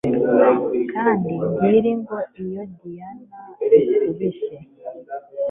Kandi ngira ngo iyo diana ikubise